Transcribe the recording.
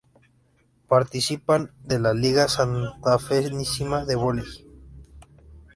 Participan de la liga santafesina de voley.